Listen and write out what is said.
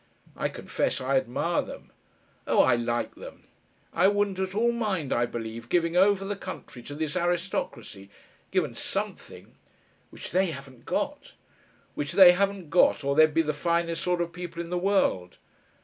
I confess I admire them. Oh! I like them. I wouldn't at all mind, I believe, giving over the country to this aristocracy given SOMETHING " "Which they haven't got." "Which they haven't got or they'd be the finest sort of people in the world."